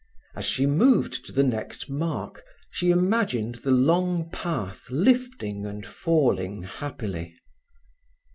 As she moved to the next mark she imagined the long path lifting and falling happily.